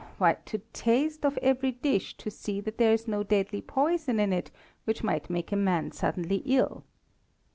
Why, to taste of every dish, to see that there is no deadly poison in it which might make a man suddenly ill."